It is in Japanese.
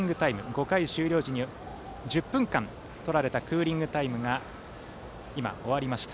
５回終了時に１０分間とられたクーリングタイムが終わりました。